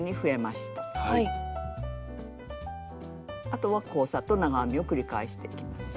あとは交差と長編みを繰り返していきます。